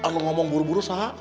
lu ngomong buru buru sahak